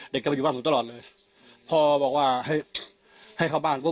เด็กก็อยู่บ้านตรงตลอดเลยพอบอกว่าให้เข้าบ้าน